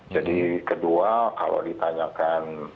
jadi kedua kalau ditanyakan